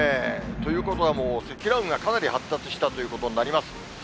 ということは、もう積乱雲がかなり発達したということになります。